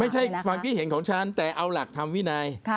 ไม่ใช่ความคิดเห็นของฉันแต่เอาหลักธรรมวินัย